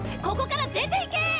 ここから出ていけ！